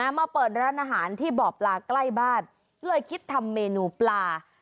มาเปิดร้านอาหารที่บ่อปลาใกล้บ้านก็เลยคิดทำเมนูปลา